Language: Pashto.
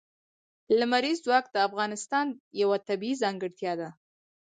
لمریز ځواک د افغانستان یوه طبیعي ځانګړتیا ده.